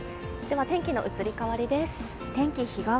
天気の移り変わりです。